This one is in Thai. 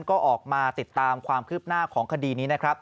ก็ออกมาติดตามความคืบหน้าของคดีนี้นะครับ